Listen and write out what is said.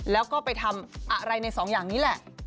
แล้วก็ไปทำอะไรในสองอย่างนี้แหละ